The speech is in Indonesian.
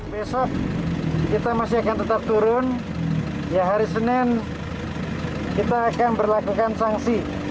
besok kita masih akan tetap turun ya hari senin kita akan berlakukan sanksi